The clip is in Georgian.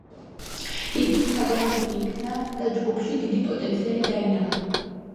იგი შთაგონებული იქნა და ჯგუფში დიდი პოტენციალი დაინახა.